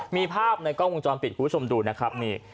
มีภาพในกล้องวงจรปิดคุณผู้ชมดูนะครับนี่